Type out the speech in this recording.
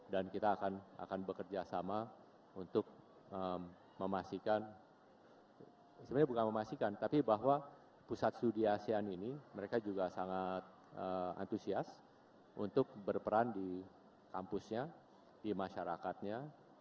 dan kita akan bekerja sama untuk memastikan sebenarnya bukan memastikan tapi bahwa pusat studi asean ini mereka juga sangat antusias untuk berperan di kampusnya di masyarakatnya